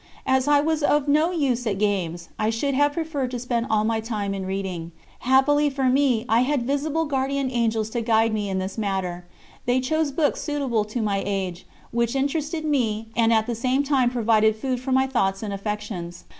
As I was of no use at games, I should have preferred to spend all my time in reading. Happily for me, I had visible guardian angels to guide me in this matter; they chose books suitable to my age, which interested me and at the same time provided food for my thoughts and affections.